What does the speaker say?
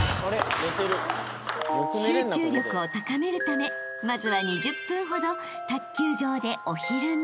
［集中力を高めるためまずは２０分ほど卓球場でお昼寝］